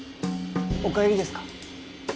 お帰りですか？